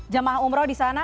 jemaah umroh di sana